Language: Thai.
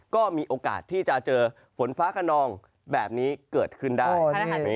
ก็มีโอกาสที่จะเจอฝนฟ้าขนองแบบนี้เกิดขึ้นได้